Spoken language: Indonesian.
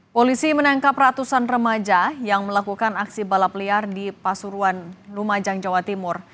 polisi menangkap ratusan remaja yang melakukan aksi balap liar di pasuruan lumajang jawa timur